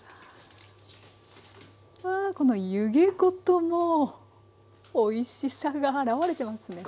わあこの湯気ごともうおいしさがあらわれてますね。